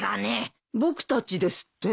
僕たちですって？